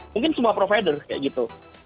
mungkin semua provider kayak gitu